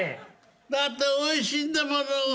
だっておいしいんだもの。